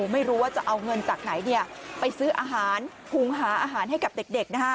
ไม่รู้ว่าจะเอาเงินจากไหนไปซื้ออาหารหุงหาอาหารให้กับเด็ก